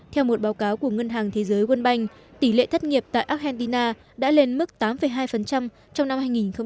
theo một báo cáo của ngân hàng thế giới quân banh tỷ lệ thất nghiệp tại argentina đã lên mức tám hai trong năm hai nghìn một mươi bốn